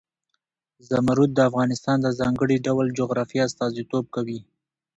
زمرد د افغانستان د ځانګړي ډول جغرافیه استازیتوب کوي.